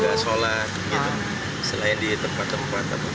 juga sholat gitu selain di tempat tempat